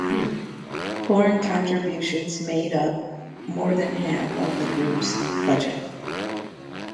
Foreign contributions made up more than half of the group's budget.